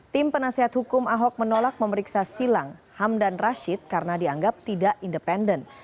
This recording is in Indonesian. tim penasehat hukum ahok menolak memeriksa silang hamdan rashid karena dianggap tidak independen